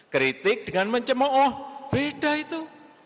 kritik dengan mencemoh oh beda itu